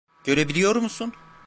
Görebiliyor musun?